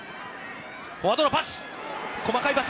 フォワードのパス。